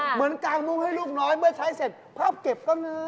เหมือนกางมุ้งให้ลูกน้อยเมื่อใช้เสร็จพับเก็บก็ง่ายนี่